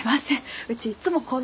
うちいっつもこんなで。